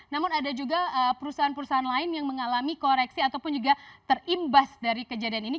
namun ada juga perusahaan perusahaan lain yang mengalami koreksi ataupun juga terimbas dari kejadian ini